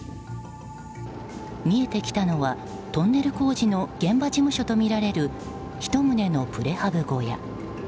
見えてきたのは、トンネル工事の現場事務所とみられる１棟のプレハブ小屋。